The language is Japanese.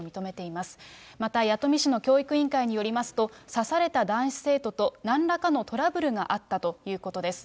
また弥富市の教育委員会によりますと、刺された男子生徒となんらかのトラブルがあったということです。